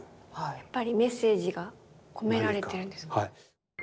やっぱりメッセージが込められてるんですかね。